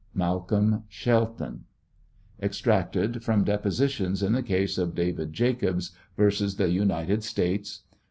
MALCOLM SSBLTON". 17 Extracted from Depositions in the case of David Jacobs vs. Tlie Uniteci States.